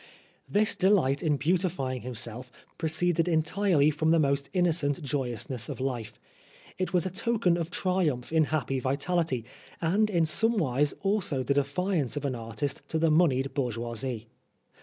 This delight in beautifying himself proceeded entirely from the most innocent joyousness of life. It was a token of triumph in happy vitality, and in somewise also the defiance of an artist to the moneyed bourgeoisie.